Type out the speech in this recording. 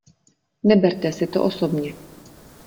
Neberte si to osobně.